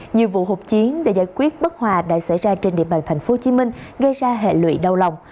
nhiều vụ hộp chiến để giải quyết bất hòa đã xảy ra trên địa bàn tp hcm gây ra hệ lụy đau lòng